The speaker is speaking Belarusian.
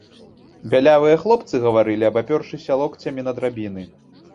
Бялявыя хлопцы гаварылі, абапёршыся локцямі на драбіны.